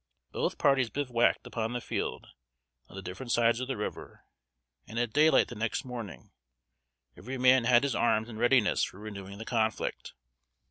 Both parties bivouacked upon the field, on the different sides of the river, and at daylight the next morning every man had his arms in readiness for renewing the conflict.